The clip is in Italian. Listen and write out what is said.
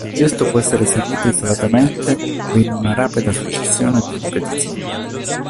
Il gesto può essere eseguito isolatamente o in una rapida successione di ripetizioni.